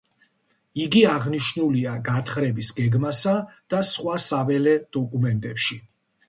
იგი აღნიშნულია გათხრების გეგმასა და სხვა საველე დოკუმენტებში.